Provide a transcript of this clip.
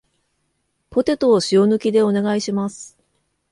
ポテトを塩抜きでお願いします